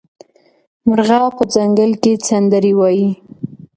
مرغه په ځنګل کې سندرې وايي.